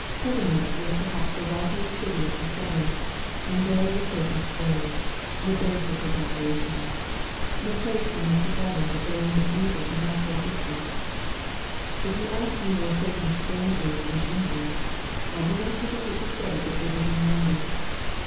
Pergamum was perhaps the wealthiest city of the seven, and there was Satan's throne, the base of his opera tions, the place from which he governed the goings of evil in that whole district. If you ask me where Satan's throne is in England, I do not hesitate to say that it is in London.